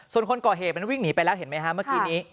ส่วนคนก่อเหตุมันวิ่งหนีไปแล้วเห็นไหมฮะเมื่อกี้นี้